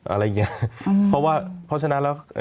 อะไรอย่างนี้เพราะว่าเพราะฉะนั้นแล้ว